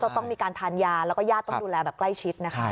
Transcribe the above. ต้องมีการทานยาแล้วก็ญาติต้องดูแลแบบใกล้ชิดนะคะ